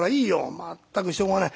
まったくしょうがない。